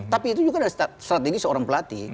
tapi itu juga dari strategi seorang pelatih